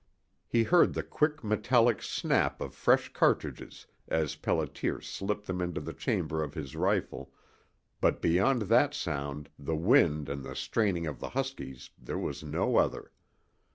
He heard the quick metallic snap of fresh cartridges as Pelliter slipped them into the chamber of his rifle, but beyond that sound, the wind, and the straining of the huskies there was no other.